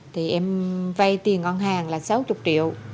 thì em vay tiền ngân hàng là sáu mươi triệu